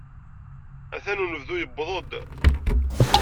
Atan unebdu yewweḍ-d.